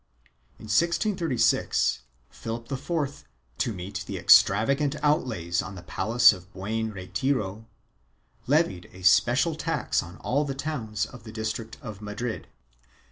3 In 1636, Philip IV, to meet the extravagant outlays on the palace of Buen Retiro, levied a special tax on all the towns of the district of Madrid.